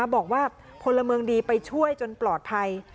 บอกว่าพลเมืองดีไปช่วยจนปลอดภัย